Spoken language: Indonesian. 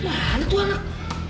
mana tuh anak